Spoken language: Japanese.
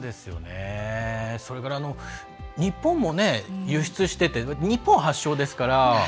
それから、日本も輸出してて、日本発祥ですから。